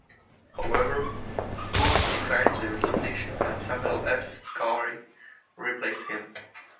However, Booth declined the nomination and Samuel F. Cary replaced him.